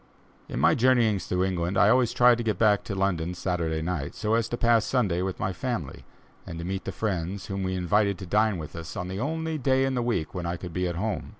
In my journeyings through England, I always tried to get back to London Saturday night, so as to pass Sunday with my family, and to meet the friends whom we invited to dine with us on the only day in the week when I could be at home.